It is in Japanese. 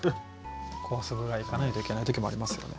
壊すぐらいいかないといけない時もありますよね。